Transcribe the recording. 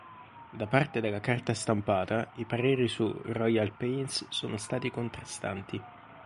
Da parte della carta stampata, i pareri su "Royal Pains" sono stati contrastanti.